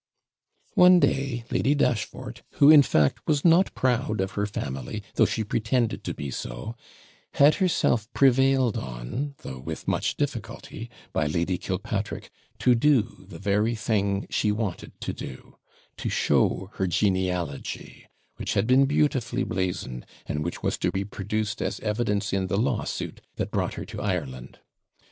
One day, Lady Dashfort, who in fact was not proud of her family, though she pretended to be so, had herself prevailed on, though with much difficulty, by Lady Killpatrick, to do the very thing she wanted to do, to show her genealogy, which had been beautifully blazoned, and which was to be produced as evidence in the lawsuit that brought her to Ireland.